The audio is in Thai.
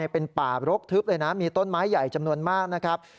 เป็นป่ารกทึบเลยนะมีต้นไม้ใหญ่จำนวนมากนะครับ